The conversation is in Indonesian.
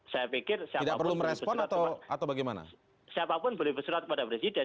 saya pikir siapapun boleh bersurah kepada presiden